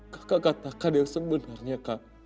kak kak katakan yang sebenarnya kak